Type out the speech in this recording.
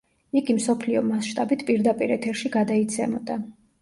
იგი მსოფლიო მასშტაბით პირდაპირ ეთერში გადაიცემოდა.